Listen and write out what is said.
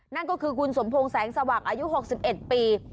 นั่นก็คือคุณสมพงศ์แสงสว่างอายุ๖๑ปี